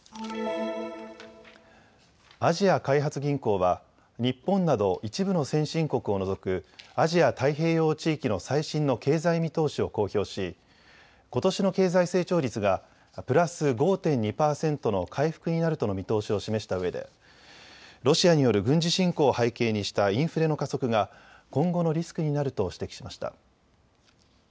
アジア開発銀行は日本など一部の先進国を除くアジア太平洋地域の最新の経済見通しを公表しことしの経済成長率がプラス５．２％の回復になるとの見通しを示したうえでロシアによる軍事侵攻を背景にしたインフレの加速が今後のリスクになると指摘しました。